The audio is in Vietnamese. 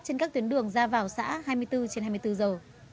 trên các tuyến đường ra vào xã hai mươi bốn trên hai mươi bốn giờ